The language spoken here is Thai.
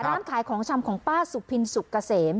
ร้านขายของชำของป้าสุพินสุกเกษม